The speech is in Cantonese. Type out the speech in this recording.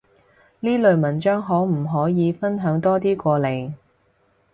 呢類文章可唔可以分享多啲過嚟？